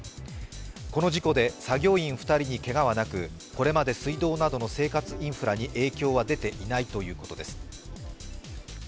この事故で作業員２人にけがはなく、これまで水道などの生活インフラに影響は出ていないということです。